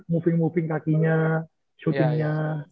moving moving kakinya shootingnya